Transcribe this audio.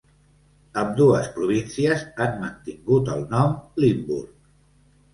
Ambdues províncies han mantingut el nom Limburg.